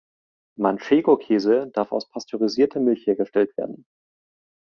Manchego-Käse darf aus pasteurisierter Milch hergestellt werden.